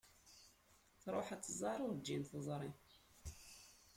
Tṛuḥ ad tẓer, urǧin teẓri.